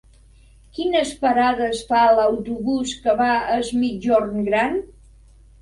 Quines parades fa l'autobús que va a Es Migjorn Gran?